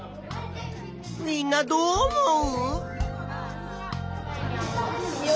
みんなどう思う？